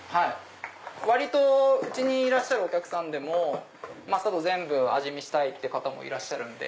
割とうちにいらっしゃるお客さんでもマスタード全部味見したい方もいらっしゃるんで。